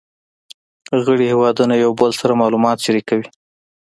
غړي هیوادونه یو بل سره معلومات شریکوي